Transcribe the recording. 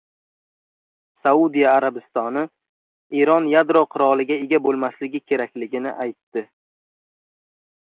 Saudiya Arabistoni Eron yadro quroliga ega bo‘lmasligi kerakligini aytdi